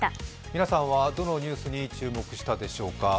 皆さんはどのニュースに注目したでしょうか。